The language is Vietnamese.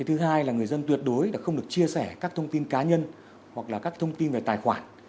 thứ hai là người dân tuyệt đối không được chia sẻ các thông tin cá nhân hoặc là các thông tin về tài khoản